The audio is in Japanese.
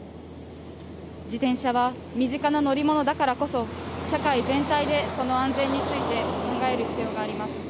自転車は身近な乗り物だからこそ、社会全体でその安全について、考える必要があります。